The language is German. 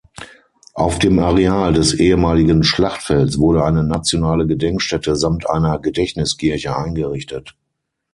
Auf dem Areal des ehemaligen Schlachtfelds wurde eine nationale Gedenkstätte samt einer Gedächtniskirche eingerichtet.